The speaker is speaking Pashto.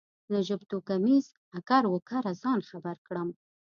له ژبتوکمیز اکر و کره ځان خبر کړم.